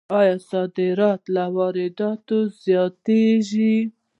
آیا صادرات له وارداتو زیاتیږي؟